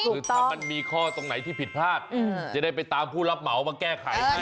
คือถ้ามันมีข้อตรงไหนที่ผิดพลาดจะได้ไปตามผู้รับเหมามาแก้ไขให้